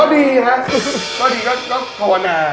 ดีฮะก็กวนา